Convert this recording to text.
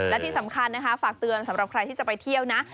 และที่สำคัญนะคะฝากเตือนสำหรับใครที่จะไปเที่ยวนะ